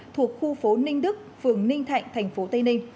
thuộc khu phố ninh đức phường ninh thạnh tp tây ninh